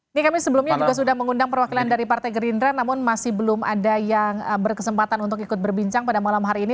ini kami sebelumnya juga sudah mengundang perwakilan dari partai gerindra namun masih belum ada yang berkesempatan untuk ikut berbincang pada malam hari ini